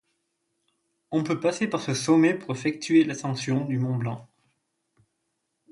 On peut passer par ce sommet pour effectuer l'ascension du mont Blanc.